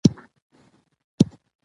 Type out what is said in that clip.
اوسنى نارينه کلچر بدل شي